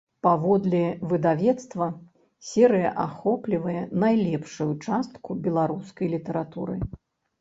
Паводле выдавецтва, серыя ахоплівае найлепшую частку беларускай літаратуры.